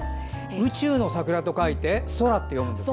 宇宙の桜と書いて「そら」と読むんですか。